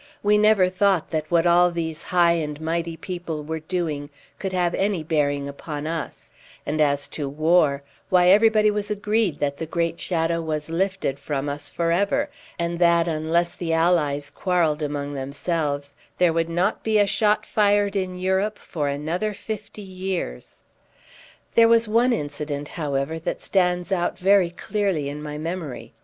We never thought that what all these high and mighty people were doing could have any bearing upon us; and as to war, why everybody was agreed that the great shadow was lifted from us for ever, and that, unless the Allies quarrelled among themselves, there would not be a shot fired in Europe for another fifty years. There was one incident, however, that stands out very clearly in my memory.